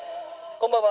「こんばんは。